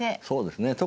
そうですね。